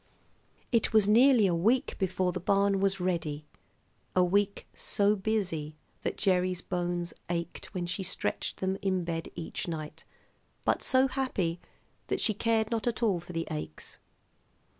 It was nearly a week before the barn was ready, a week so busy that Gerry's bones ached when she stretched them in bed each night, but so happy that she cared not at all for the aches.